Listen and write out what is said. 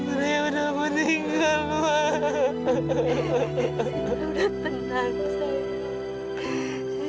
sita udah meninggal mak